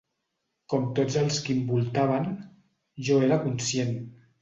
Com tots els qui em voltaven, jo era conscient